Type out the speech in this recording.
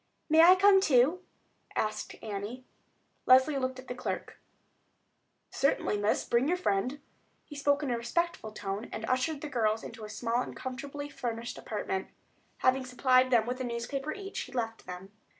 "May I come too?" asked Annie. Leslie looked at the clerk. "Certainly, miss, bring your friend." He spoke in a respectful tone, and ushered the girls into a small and comfortably furnished apartment. Having supplied them with a newspaper each, he left them.